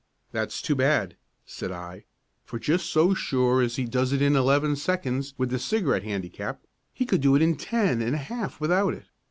"That's too bad," said I, "for just so sure as he does it in eleven seconds with the cigarette handicap, he could do it in ten and a half without it.